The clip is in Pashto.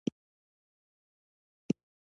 د سهار په یوه نیمه بجه خپلې خیمې ته ورسېدو.